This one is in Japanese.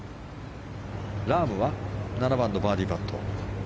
ラームは７番バーディーパット。